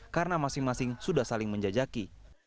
karena masing masing sudah saling menjajaki